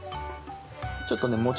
ちょっとね